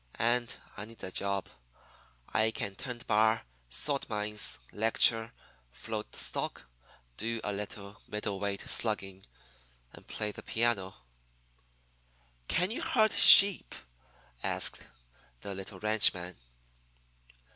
And I need a job. I can tend bar, salt mines, lecture, float stock, do a little middle weight slugging, and play the piano.' "'Can you herd sheep?' asks the little ranchman.